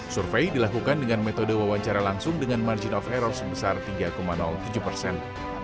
survei dilakukan dengan metode wawancara langsung dengan margin of error sebesar tiga tujuh persen